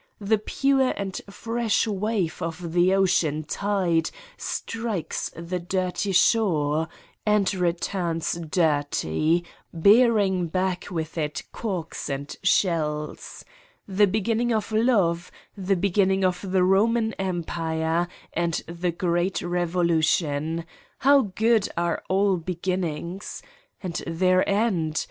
The pure and fresh wave of the ocean tide strikes the dirty shore and returns dirty, bearing back with it corks and shells. The beginning of love, the beginning of the Roman Empire and the great revolution how good are all beginnings! And their end